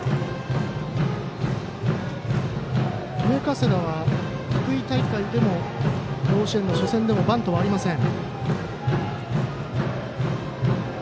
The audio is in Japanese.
上加世田は、福井大会でも甲子園の初戦でもバントはありません。